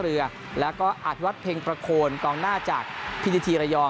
เรือแล้วก็อธิวัตรเพ็งประโคนกองหน้าจากพิธีทีระยอง